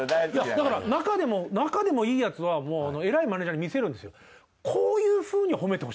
だからなかでもいいヤツは偉いマネージャーに見せるんですよ。